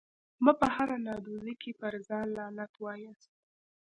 مه په هره نادودي کي پر ځان لعنت واياست